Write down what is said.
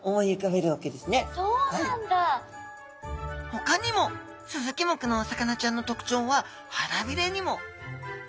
ほかにもスズキ目のお魚ちゃんの特徴は腹びれにも。